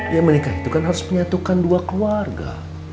ya menikah itu kan harus menyatukan dua keluarga